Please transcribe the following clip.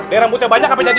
daerah muti banyak apa jadi